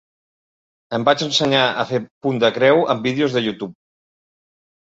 Em vaig ensenyar a fer punt de creu amb vídeos de YouTube.